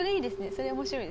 それ面白い。